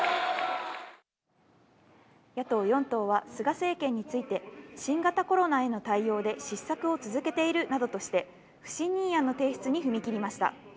野党４党は菅政権について、新型コロナへの対応で失策を続けているなどとして、不信任案の提出に踏み切りました。